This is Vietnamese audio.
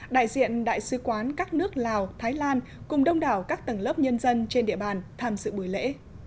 đại diện đại sứ quán các nước lào thái lan cùng đông đảo các tầng lớp nhân dân trên địa bàn tham dự buổi lễ